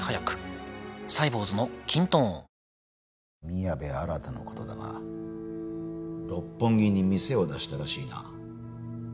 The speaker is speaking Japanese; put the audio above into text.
宮部新の事だが六本木に店を出したらしいな？